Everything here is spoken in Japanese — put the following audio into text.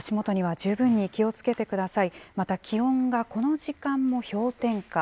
十分に気をつけてください。